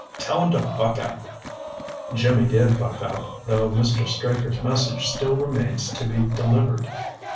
Tell him to buck up." Jimmy did buck up, though Mr. Straker's message still remains to be delivered.